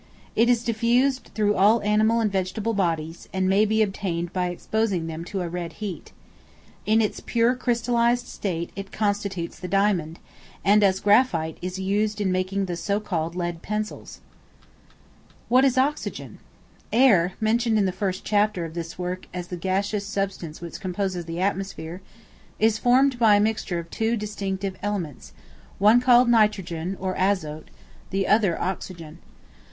It is diffused through all animal and vegetable bodies; and may be obtained by exposing them to a red heat. In its pure, crystallized state, it constitutes the diamond, and as graphite, is used in making the so called lead pencils. [Footnote 14: See Chapter XIV., article Diamond.] What is Oxygen? Air, mentioned in the first chapter of this work as the gaseous substance which composes the atmosphere, is formed by a mixture of two distinct elements, one called Nitrogen, or Azote, the other Oxygen.